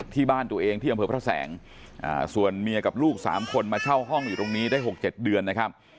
ที่บ้านตัวเองที่อำเภอพระแสงส่วนเมียกับลูก๓คนมาเช่าห้องอยู่ตรงนี้ได้๖๗เดือนนะครับ